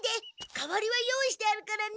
代わりは用意してあるからね！